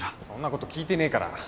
そんなこと聞いてねえから。